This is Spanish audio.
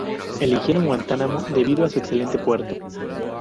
Eligieron Guantánamo debido a su excelente puerto.